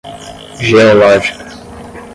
geológica